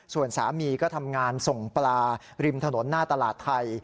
ส่วนสามีก็ทำงานส่งปลาริมถนนหน้าตลาดไทย